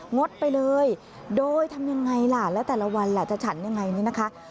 งดไปเลยโดยทำยังไงล่ะแล้วแต่ละวันล่ะจะฉันยังไงนี่นะคะ